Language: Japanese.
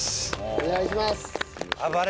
お願いします。